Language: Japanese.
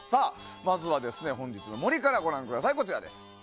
まずは本日の森からご覧ください。